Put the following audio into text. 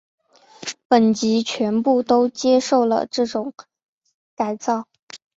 本级全部都接受了这种改造。